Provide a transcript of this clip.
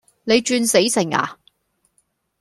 你轉死性呀